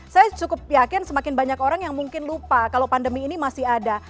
saya cukup yakin semakin banyak orang yang mungkin lupa kalau pandemi ini masih ada